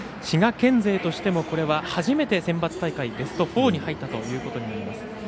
滋賀県勢としてもこれは初めてセンバツ大会ベスト４に入ったということになります。